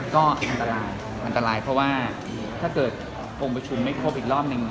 ก็อันตรายอันตรายเพราะว่าถ้าเกิดองค์ประชุมไม่ครบอีกรอบนึง